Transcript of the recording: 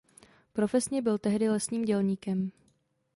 Profesně byl tehdy lesním dělníkem.